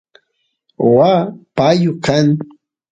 waa payu kan